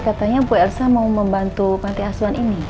katanya bu ersa mau membantu panti asuhan ini